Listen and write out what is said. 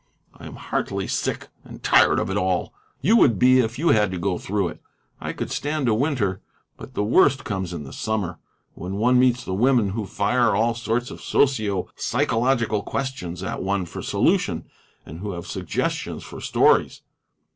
I am heartily sick and tired of it all; you would be if you had to go through it. I could stand a winter, but the worst comes in the summer, when one meets the women who fire all sorts of socio psychological questions at one for solution, and who have suggestions for stories."